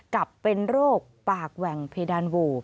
กับเป็นโรคปากแหว่งเพดานโว